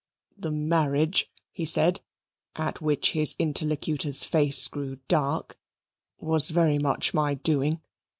"The marriage," he said (at which his interlocutor's face grew dark) "was very much my doing.